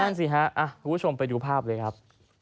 นั่นสิฮะคุณผู้ชมไปดูภาพเลยครับ